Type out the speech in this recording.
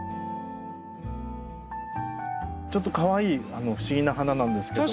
ちょっとかわいい不思議な花なんですけども。